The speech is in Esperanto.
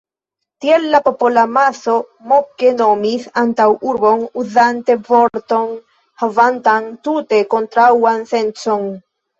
Tiel la popolamaso moke nomis antaŭurbon, uzante vorton, havantan tute kontraŭan sencon.